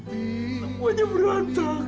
bapaknya berantakan bu